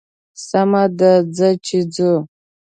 سمه ده ځه چې ځو.